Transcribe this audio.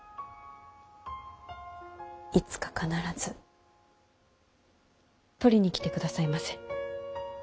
いつか必ず取りに来てくださいませ。